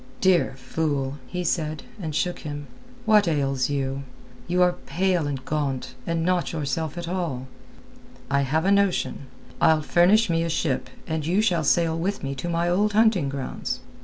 "Dear fool!" he said, and shook him. "What ails you? You are pale and gaunt, and not yourself at all. I have a notion. I'll furnish me a ship and you shall sail with me to my old hunting grounds.